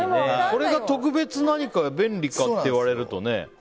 これが特別、何か便利かっていわれるとね。